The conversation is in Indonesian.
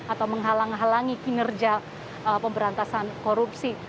atau menghalang halangi kinerja pemberantasan korupsi